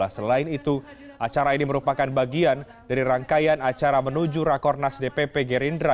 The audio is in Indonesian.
selain itu acara ini merupakan bagian dari rangkaian acara menuju rakornas dpp gerindra